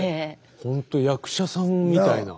ほんと役者さんみたいな。